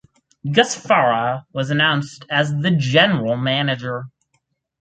Gus Farah was announced as the General Manager.